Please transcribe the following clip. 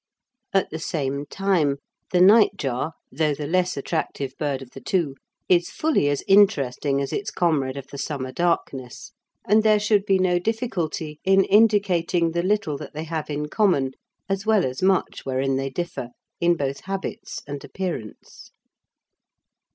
At the same time, the nightjar, though the less attractive bird of the two, is fully as interesting as its comrade of the summer darkness, and there should be no difficulty in indicating the little that they have in common, as well as much wherein they differ, in both habits and appearance.